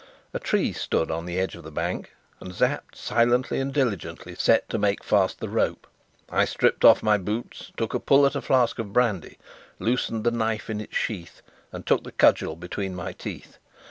A tree stood on the edge of the bank, and Sapt, silently and diligently, set to make fast the rope. I stripped off my boots, took a pull at a flask of brandy, loosened the knife in its sheath, and took the cudgel between my teeth.